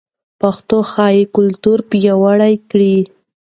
پښتو ښايي کلتور پیاوړی کړي.